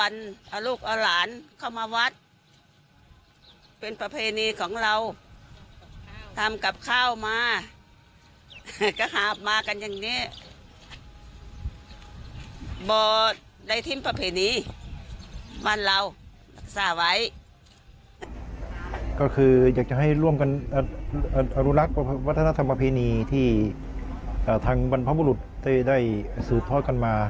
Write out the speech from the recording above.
อนุรักษ์วัฒนธรรมประเพณีที่ทางบรรพบุรุษได้สืบทอดกันมา